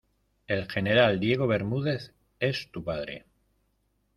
el general Diego Bermúdez es tu padre.